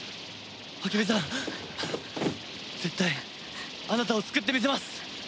絶対あなたを救ってみせます！